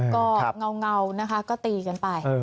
เด็กโชคต่อไปก็เงานะคะก็ตีกันไป